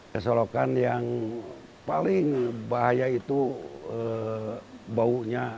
keselokan yang paling bahaya itu baunya